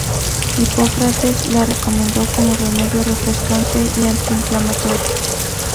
Hipócrates la recomendó como remedio refrescante y antiinflamatorio.